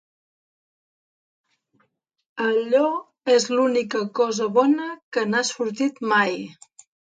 Allò és l'única cosa bona que n'ha sortit mai.